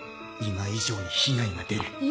今以上に被害が出る。